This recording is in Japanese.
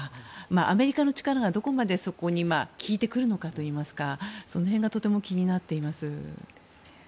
アメリカの力が、どこまでそこに利いてくるのかといいますかその辺がとても気になっています。